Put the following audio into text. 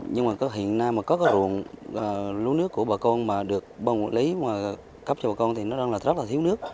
nhưng mà hiện nay có cái ruộng lúa nước của bà con mà được bộ quản lý mà cấp cho bà con thì nó đang là rất là thiếu nước